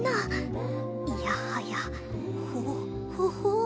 いやはやほうほほう。